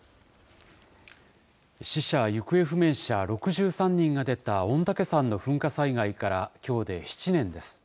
死者・行方不明者６３人が出た御嶽山の噴火災害からきょうで７年です。